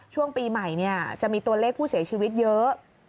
ช่วงปีใหม่จะมีตัวเลขผู้เสียชีวิตเยอะ